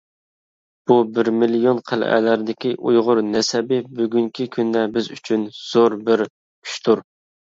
بۇ بىر مىليون قەلئەلەردىكى ئۇيغۇر نەسەبى بۈگۈنكى كۈندە بىز ئۈچۈن زور بىر كۈچتۇر.